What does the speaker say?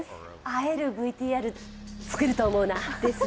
会えるＶＴＲ作ると思うな。